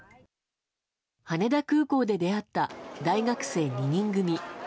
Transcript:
羽田空港で出会った大学生２人組。